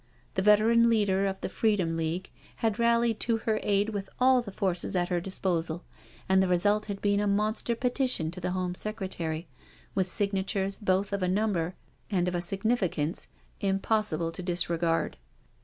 The veteran leader of the Free dom League had rallied to her aid with all the forces at her disposal, and the result had been a monster petition to the Home Secretary with signatures both of a number and of a significance impossible to dis regard.